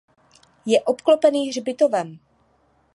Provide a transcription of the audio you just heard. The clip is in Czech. Je obklopený hřbitovem.